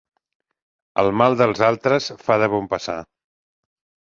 El mal dels altres fa de bon passar.